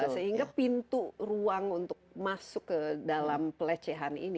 sehingga pintu ruang untuk masuk ke dalam pelecehan ini